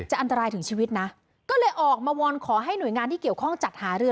อันตรายถึงชีวิตนะก็เลยออกมาวอนขอให้หน่วยงานที่เกี่ยวข้องจัดหาเรือ